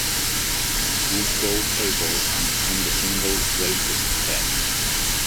These go haywire and become the single greatest threat.